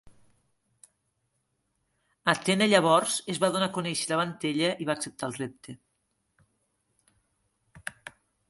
Atena llavors es va donar a conèixer davant ella i va acceptar el repte.